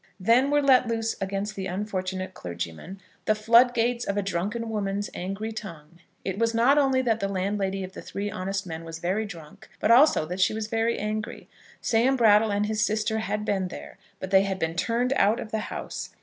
Then were let loose against the unfortunate clergyman the floodgates of a drunken woman's angry tongue. It was not only that the landlady of the Three Honest Men was very drunk, but also that she was very angry. Sam Brattle and his sister had been there, but they had been turned out of the house.